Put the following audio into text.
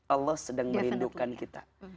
allah sedang merindukan kita